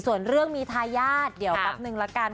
ส่วนเรื่องมีทายาทเดี๋ยวแป๊บนึงละกัน